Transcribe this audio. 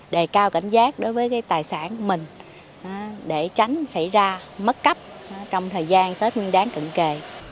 đề cao cảnh giác đối với cái tài sản mình để tránh xảy ra mất cắp trong thời gian tết nguyên đáng cận kề